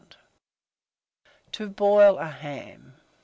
TO BOIL A HAM.